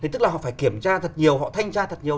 tức là họ phải kiểm tra thật nhiều họ thanh tra thật nhiều